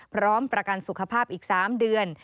พร้อมประกันสุขภาพอีก๓เดือน